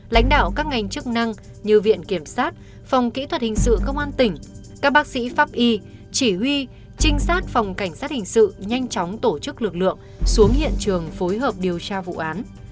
lãnh đạo các ngành chức năng như viện kiểm sát phòng kỹ thuật hình sự công an tỉnh các bác sĩ pháp y chỉ huy trinh sát phòng cảnh sát hình sự nhanh chóng tổ chức lực lượng xuống hiện trường phối hợp điều tra vụ án